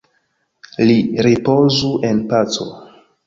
Li ripozu en paco!